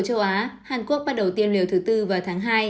ở châu á hàn quốc bắt đầu tiêm liều thứ tư vào tháng hai